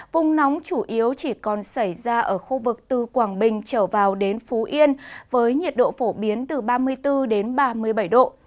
vùng nóng chủ yếu chỉ còn xảy ra ở khu vực từ quảng bình trở vào đến phú yên với nhiệt độ phổ biến từ ba mươi bốn đến ba mươi bảy độ